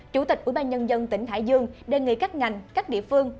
chủ tịch ủy ban nhân dân tỉnh hải dương đề nghị các ngành các địa phương